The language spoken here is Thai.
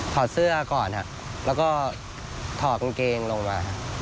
อดเสื้อก่อนครับแล้วก็ถอดกางเกงลงมา